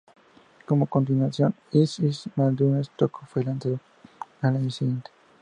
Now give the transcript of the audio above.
Como continuación, "It's... Madness Too" fue lanzado al año siguiente.